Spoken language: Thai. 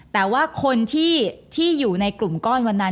แต่ว่าคนที่อยู่ในกลุ่มก้อนวันนั้น